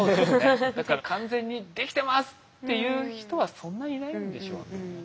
だから「完全にできてます！」っていう人はそんないないんでしょうね。